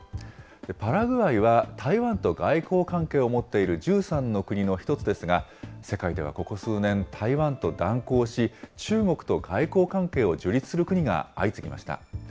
パラグアイは台湾と外交関係を持っている１３の国の１つですが、世界ではここ数年、台湾と断交し、中国と外交関係を樹立する国が相次ぎました。